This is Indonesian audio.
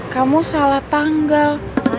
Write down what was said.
kamu salah tanggal